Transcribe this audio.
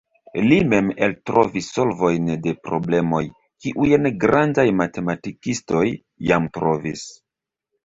Li mem eltrovis solvojn de problemoj, kiujn grandaj matematikistoj jam trovis.